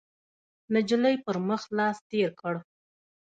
، نجلۍ پر مخ لاس تېر کړ،